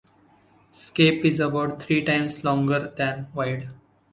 Scape is about three times longer than wide.